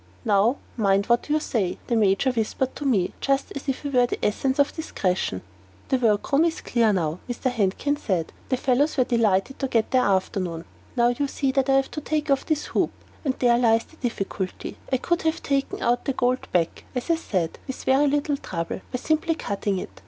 "Now mind what you say," the Major whispered to me, just as if he were the essence of discretion. "The work room is clear now," Mr. Handkin said; "the fellows were delighted to get their afternoon. Now you see that I have to take off this hoop, and there lies the difficulty. I could have taken out the gold back, as I said, with very little trouble, by simply cutting it.